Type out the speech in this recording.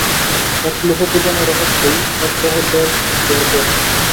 এক লোহ পূজামে রহত হৈ, এক রহে ব্যাধ ঘর পরো।